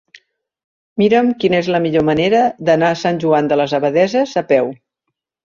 Mira'm quina és la millor manera d'anar a Sant Joan de les Abadesses a peu.